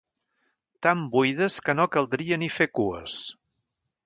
Tan buides que no caldria ni fer cues.